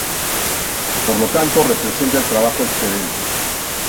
Por lo tanto, representa el trabajo excedente.